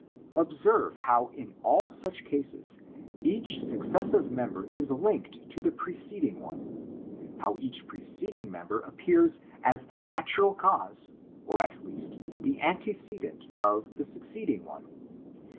Observe how in such cases each successive mem ber is linked to the preceding one; how each pre ceding member appears as the natural cause or at least the antecedent of the succeeding one.